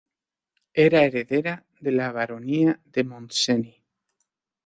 Era heredera de la Baronía de Montseny.